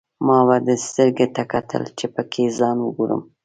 ما به دې سترګو ته کتل، چې پکې ځان وګورم.